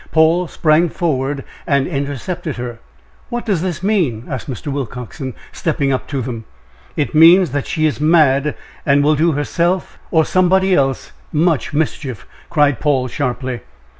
Paul sprang forward and intercepted her. "What does this mean?" asked Mr. Willcoxen, stepping up to them. "It means that she is mad, and will do herself or somebody else much mischief," cried Paul, sharply.